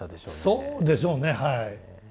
そうでしょうねはい。